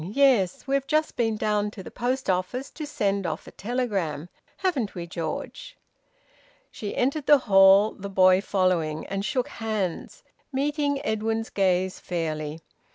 Yes. We've just been down to the post office to send off a telegram, haven't we, George?" She entered the hall, the boy following, and shook hands, meeting Edwin's gaze fairly.